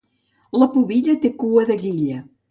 La pubilla té cua de guilla.